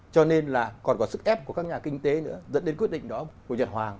cho nên là còn có sức ép của các nhà kinh tế nữa dẫn đến quyết định đó của nhật hoàng